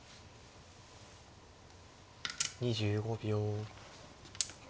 ２５秒。